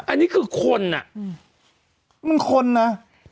อันนี้คือคนอ่ะมันคนนะ